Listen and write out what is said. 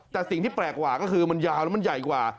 แต่สิ่งที่แปลกกว่าก็คือมันยาวแล้วมันใหญ่กว่า